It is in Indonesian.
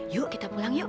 yuk kita pulang yuk